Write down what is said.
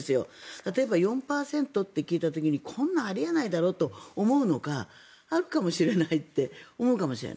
例えば４％って聞いた時にこんなのあり得ないだろと思うのかあるかもしれないって思うのか。